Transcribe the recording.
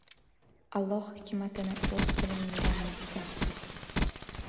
— Alloh hikmatini o‘z bilimingdan yuksak bil.